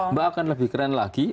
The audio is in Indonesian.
mbak akan lebih keren lagi